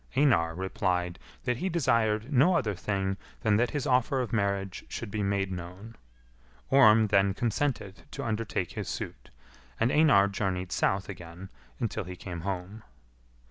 Einar replied that he desired no other thing than that his offer of marriage should be made known. Orm then consented to undertake his suit, and Einar journeyed south again until he came home.